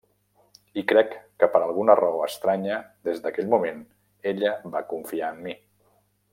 I crec que per alguna raó estranya, des d'aquell moment, ella va confiar en mi.